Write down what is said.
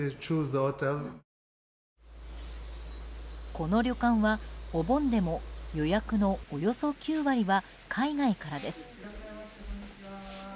この旅館は、お盆でも予約のおよそ９割は海外からです。